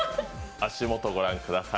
足元、ご覧ください。